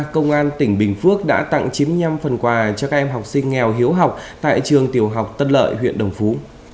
công an tỉnh bình phước đã tặng chín mươi năm phần quà cho các em học sinh nghèo hiếu học tại trường tiểu học tân lợi huyện đồng phú